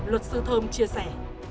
luật sư thơm chia sẻ